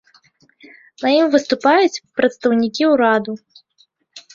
На ім выступаюць прадстаўнікі ўраду.